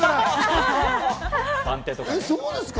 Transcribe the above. えっ、そうですか？